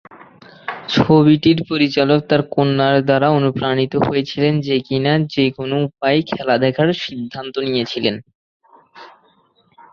ছবিটির পরিচালক তার কন্যার দ্বারা অনুপ্রাণিত হয়েছিলেন, যে কিনা যে কোনও উপায়ে খেলা দেখার সিদ্ধান্ত নিয়েছিলেন।